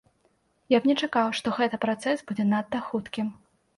Я б не чакаў, што гэта працэс будзе надта хуткім.